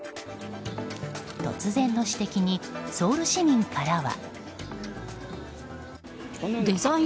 突然の指摘にソウル市民からは。